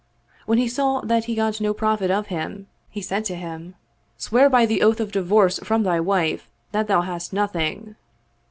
When he saw that he got no profit of him, he said to him, " Swear by the oath of divorce from thy wife that thou hast nothing."